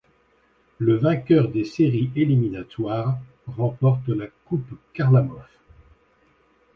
Le vainqueur des séries éliminatoires remporte la Coupe Kharlamov.